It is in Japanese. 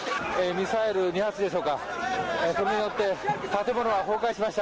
ミサイル２発でしょうか。